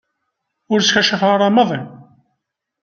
Ur ssekcafeɣ ara maḍi.